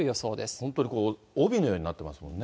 本当に帯のようになってますもんね。